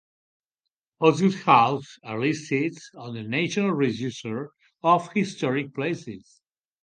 Osgood House are listed on the National Register of Historic Places.